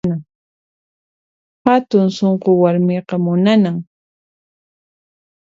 Hatun sunqu warmiqa munanan